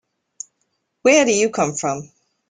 Where do you come from?